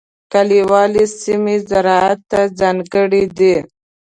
کلیوالي سیمې زراعت ته ځانګړې دي.